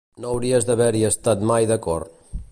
No hauries d'haver-hi estat mai d'acord